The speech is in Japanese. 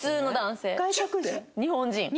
日本人！